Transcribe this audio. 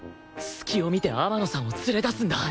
隙を見て天野さんを連れ出すんだ